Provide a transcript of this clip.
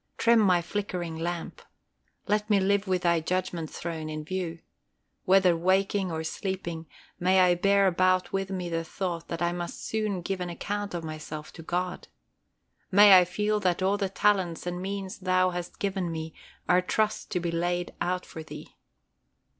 Trim my flickering lamp. Let me live with Thy Judgment throne in view. Whether waking or sleeping, may I bear about with me the thought that I must soon give an account of myself to God. May I feel that all the talents and means Thou hast given me are trusts to be laid out for Thee.